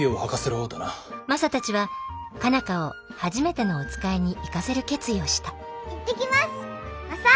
マサたちは佳奈花をはじめてのおつかいに行かせる決意をした行ってきますマサ！